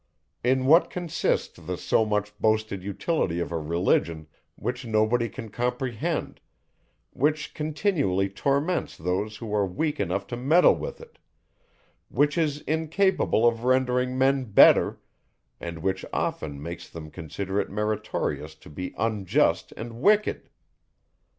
In what consists the so much boasted utility of a Religion, which nobody can comprehend, which continually torments those who are weak enough to meddle with it, which is incapable of rendering men better, and which often makes them consider it meritorious to be unjust and wicked?